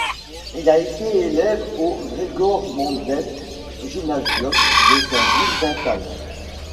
Il a été élève au Gregor-Mendel-Gymnasium de sa ville natale.